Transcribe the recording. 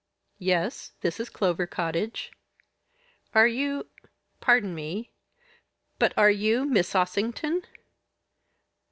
"Yes, this is Clover Cottage." "Are you pardon me but are you Miss Ossington?"